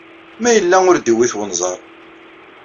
Ma yella ur d-iwit wenẓar.